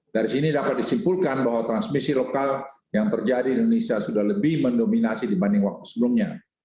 dari sini dapat disimpulkan bahwa transmisi lokal yang terjadi di indonesia sudah lebih mendominasi dibanding waktu sebelumnya